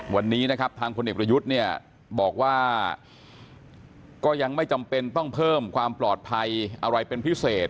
วันนี้นะครับทางพลเอกประยุทธ์เนี่ยบอกว่าก็ยังไม่จำเป็นต้องเพิ่มความปลอดภัยอะไรเป็นพิเศษ